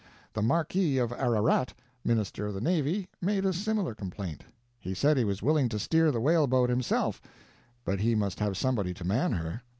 The Marquis of Ararat, minister of the navy, made a similar complaint. He said he was willing to steer the whale boat himself, but he must have somebody to man her.